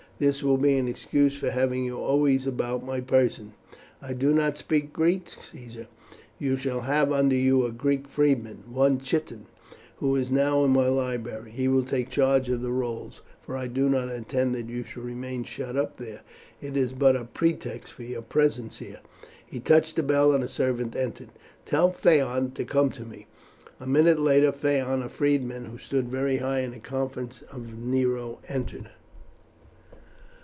This will be an excuse for having you always about my person." "I do not speak Greek, Caesar." "You shall have under you a Greek freedman, one Chiton, who is now in my library. He will take charge of the rolls, for I do not intend that you should remain shut up there. It is but a pretext for your presence here." He touched a bell and a servant entered. "Tell Phaon to come to me." A minute later Phaon, a freedman who stood very high in the confidence of Nero, entered.